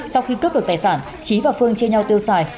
sau khi cướp được tài sản trí và phương chia nhau tiêu xài